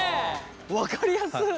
分かりやすっ。